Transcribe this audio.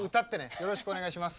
よろしくお願いします。